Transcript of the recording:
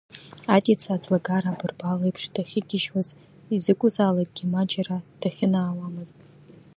Адица аӡлагара абарбал еиԥш дахьыгьежьуаз, изакәызаалакгьы ма џьара даахьынаауамызт.